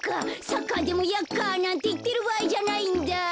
サッカーでもヤッカなんていってるばあいじゃないんだ。